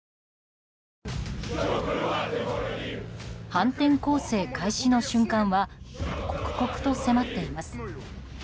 反転攻勢開始の瞬間は刻々と迫っています。